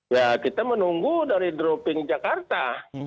ya kita menunggu dari dropping jakarta